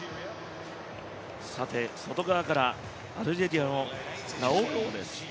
さて外側からアルジェリアのラオウロウです。